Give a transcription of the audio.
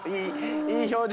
いい表情。